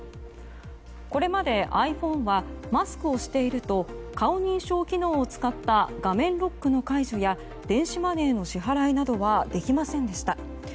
これまでｉＰｈｏｎｅはマスクをしていると顔認証機能を使った画面ロックの解除や電子マネーの支払いなどはできませんでした。